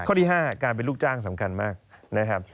ข้อที่๕การเป็นลูกจ้างสำคัญมาก